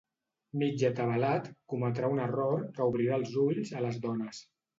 Mig atabalat cometrà un error que obrirà els ulls a les dones.